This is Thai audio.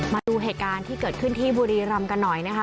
มาดูเหตุการณ์ที่เกิดขึ้นที่บุรีรำกันหน่อยนะคะ